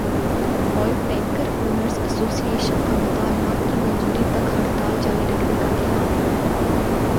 oil tanker owners association کا مطالبات کی منظوری تک ہڑتال جاری رکھنے کا اعلان